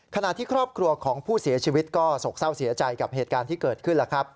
ขณะที่ครอบครัวของผู้เสียชีวิตก็โศกเศร้าเสียใจกับเหตุการณ์ที่เกิดขึ้นแล้วครับ